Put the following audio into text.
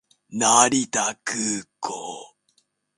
成田空港